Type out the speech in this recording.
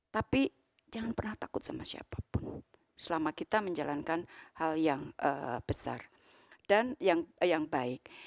tapi jangan pernah takut sama siapapun selama kita menjalankan hal yang besar dan yang baik